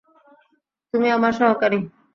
তুমি আমার সহকারী।